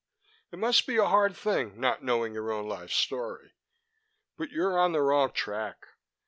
"It must be a hard thing, not knowing your own life story. But you're on the wrong track.